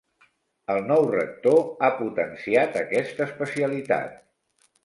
El nou rector ha potenciat aquesta especialitat.